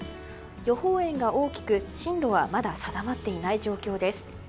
予報円が大きく、進路はまだ定まっていない状況です。